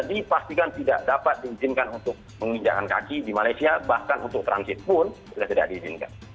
dipastikan tidak dapat diizinkan untuk menginjakan kaki di malaysia bahkan untuk transit pun sudah tidak diizinkan